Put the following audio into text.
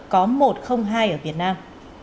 có một trăm linh hai ở việt nam